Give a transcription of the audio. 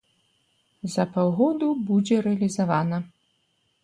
За паўгода будзе рэалізавана.